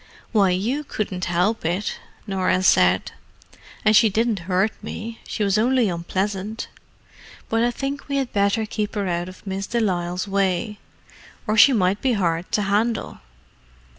"Why, you couldn't help it," Norah said. "And she didn't hurt me—she was only unpleasant. But I think we had better keep her out of Miss de Lisle's way, or she might be hard to handle."